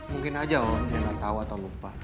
mungkin aja om dia gak tau atau lupa